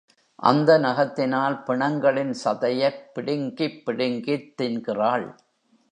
அந்த நகத்தினால் பிணங்களின் சதையைப் பிடுங்கிப் பிடுங்கித் தின்கிறாள்.